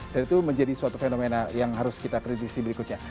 dan itu menjadi suatu fenomena yang harus kita kritisisi berikutnya